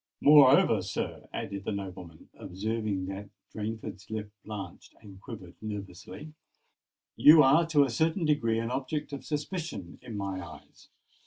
Moreover, sir," added the nobleman, observing that Rainford's lip blanched and quivered nervously, "you are to a certain degree an object of suspicion in my eyes.